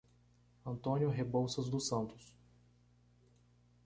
Antônio Reboucas dos Santos